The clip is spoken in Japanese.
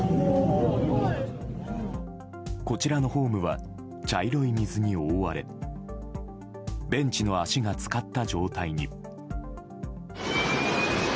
こちらのホームは茶色い水に覆われベンチの脚が浸かった状態に。